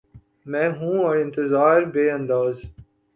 میں ہوں اور انتظار بے انداز